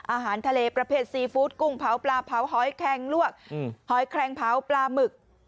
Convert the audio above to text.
อาหารทะเลประเภทซีฟู้ดกุ้งเผาปลาเผาหอยแคงลวกหอยแครงเผาปลาหมึก